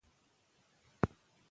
موږ د خپلو لیکوالو د زیار مننه کوو.